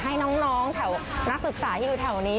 ให้น้องแถวนักศึกษาที่อยู่แถวนี้